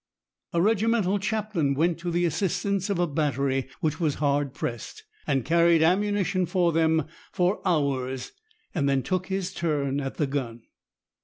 A regimental chaplain went to the assistance of a battery which was hard pressed, and carried ammunition for them for hours, then took his turn at the gun.